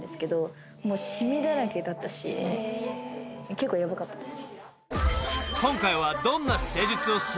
結構ヤバかったです。